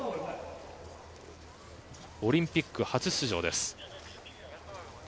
オリンピック初出場です。